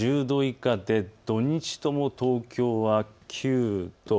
１０度以下で土日とも東京は９度。